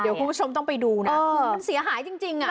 เดี๋ยวคุณผู้ชมต้องไปดูนะคือมันเสียหายจริงอ่ะ